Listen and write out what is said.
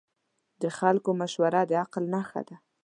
د خلکو مشوره د عقل نښه ده.